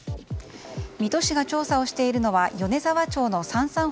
水戸市が調査をしているのは米沢町のさんさん